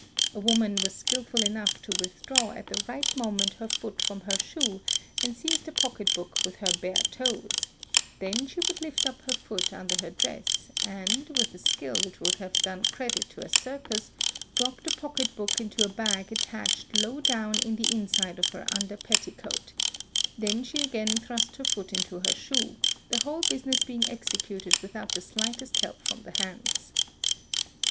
A woman was skilful enough to withdraw at the right moment her foot _ from her shoe and seize the pocket book with her bare toes; then she would lift up her foot under her dress and, with a skill which would have _ done credit to a circus, drop the pocket book into a bag attached low down in the inside of her under petticoat; then she again thrust her foot into her shoe, the whole business being executed without the slightest help from the hands.